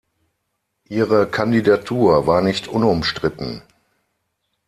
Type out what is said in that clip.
Ihre Kandidatur war nicht unumstritten.